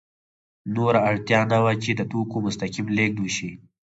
نور اړتیا نه وه چې د توکو مستقیم لېږد وشي